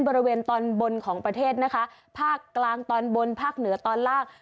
บริเวณตอนบนของประเทศนะคะภาคกลางตอนบนภาคเหนือตอนล่าง